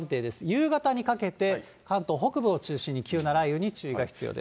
夕方にかけて、関東北部を中心に急な雷雨に注意が必要です。